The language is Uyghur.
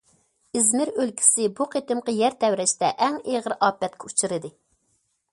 ئىزمىر ئۆلكىسى بۇ قېتىمقى يەر تەۋرەشتە ئەڭ ئېغىر ئاپەتكە ئۇچرىدى.